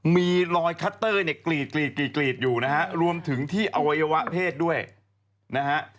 มีรอยคัตเตอร์เนี่ยกรีดกรีดกรีดอยู่นะฮะรวมถึงที่อวัยวะเพศด้วยนะฮะ